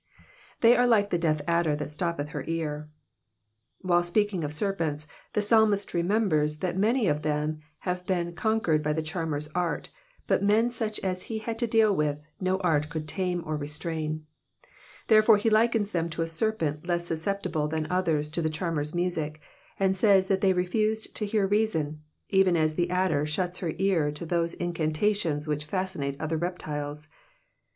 ^^They are like the deaf adder that st&ppeth her ear.'''' While speaking of serpents the psalmist remembers that many of them have been conquered by the charmer's art, but men such as he had to deal with no art could tame or restrain ; therefore, he likens them to a serpent less susceptible than others to the charmer's music, and says that they refused to hear reason, even as the adder shuts her ear to those incanta tions which fascinate other reptiles.